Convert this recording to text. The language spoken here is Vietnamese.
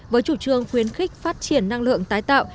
với chủ trương khuyến khích phát triển năng lượng tái tạo